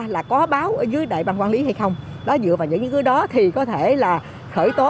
là có báo ở dưới đại băng quản lý hay không đó dựa vào những chứng cứ đó thì có thể là khởi tố